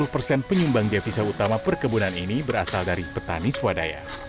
lima puluh persen penyumbang devisa utama perkebunan ini berasal dari petani swadaya